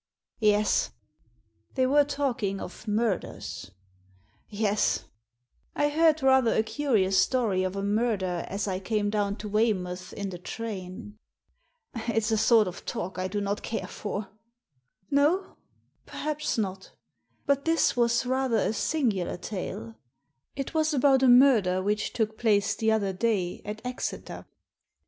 "Yes." " They were talking of murders." "Yes." Digitized by VjOOQIC 4 THE SEEN AND THE UNSEEN "I heard rather a curious story of a murder as I came down to Weymouth in the train." " It's a sort of talk I do not care for." No. Perhaps not; but this was rather a singular tale. It was about a murder which took place the other day at Exeter."